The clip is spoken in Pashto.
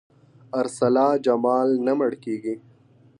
ارسلا جمال نه مړ کېږي.